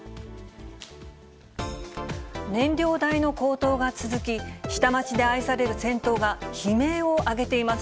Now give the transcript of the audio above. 燃料代の高騰が続き、下町で愛される銭湯が悲鳴を上げています。